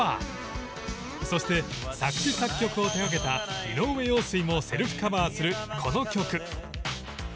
そして作詞・作曲を手がけた井上陽水もセルフカバーするこの曲。